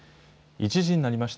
１時になりました。